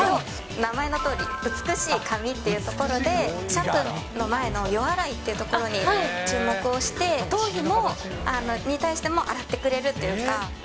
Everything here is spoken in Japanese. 名前のとおり、美しい髪っていうところで、シャンプーの前の予洗いってところに注目をして、頭皮に対しても洗ってくれるっていうか。